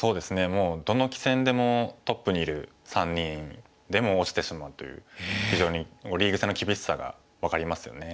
もうどの棋戦でもトップにいる３人でも落ちてしまうという非常にリーグ戦の厳しさが分かりますよね。